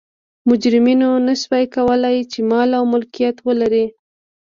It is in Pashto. مجرمینو نه شوای کولای چې مال او ملکیت ولري.